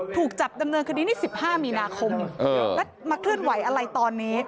ถูกจับดำเนินคดีนี่๑๕มีนาคมแล้วมาเคลื่อนไหวอะไรตอนนี้